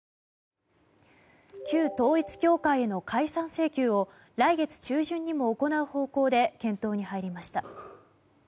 旧統一教会への解散請求を来月中旬にも行う方向で検討に入りました。